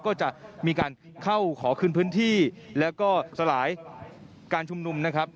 ก็จะมีการเข้าขอคืนพื้นที่แล้วก็สลายการชุมนุมนะครับ